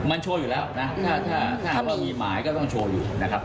มันโชว์อยู่แล้วนะถ้าว่ามีหมายก็ต้องโชว์อยู่นะครับ